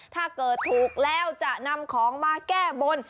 ถ้าเกิดถูกแล้วจะนำของมาแก้บน